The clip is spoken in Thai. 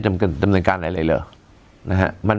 ดำเนินการอะไรเลยเหรอนะฮะ